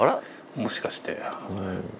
もしかして？